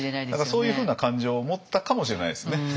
そういうふうな感情を持ったかもしれないですね。